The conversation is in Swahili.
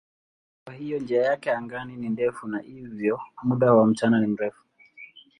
Kwa hiyo njia yake angani ni ndefu na hivyo muda wa mchana ni mrefu.